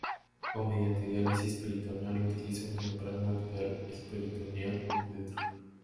O mediante diálisis peritoneal, utiliza una membrana natural -el peritoneo- como filtro.